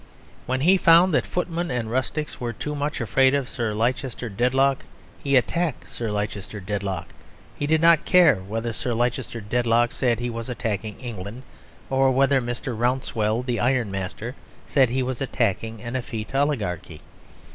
When he found that footmen and rustics were too much afraid of Sir Leicester Dedlock, he attacked Sir Leicester Dedlock; he did not care whether Sir Leicester Dedlock said he was attacking England or whether Mr. Rouncewell, the Ironmaster, said he was attacking an effete oligarchy.